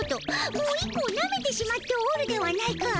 もう１個をなめてしまっておるではないか。